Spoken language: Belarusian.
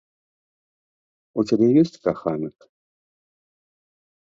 У цябе ёсць каханак?